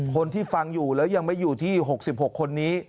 คนที่ฟังอยู่แล้วยังไม่อยู่ที่๖๖คนนี้